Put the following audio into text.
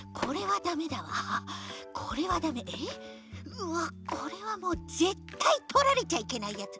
うわっこれはもうぜったいとられちゃいけないやつ。